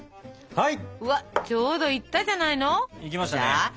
はい。